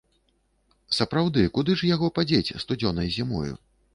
Сапраўды, куды ж яго падзець студзёнай зімою?